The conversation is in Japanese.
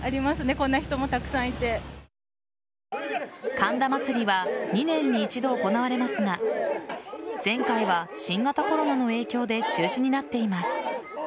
神田祭は２年に１度行われますが前回は新型コロナの影響で中止になっています。